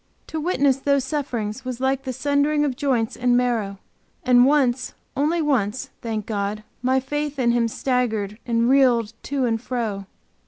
To witness these sufferings was like the sundering of joints and marrow, and once, only once, thank God! my faith in Him staggered and reeled to and fro.